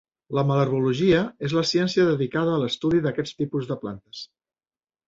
La malherbologia és la ciència dedicada a l'estudi d'aquest tipus de plantes.